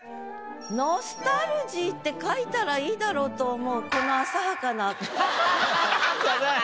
「ノスタルジー」って書いたらいいだろうと思うすみません。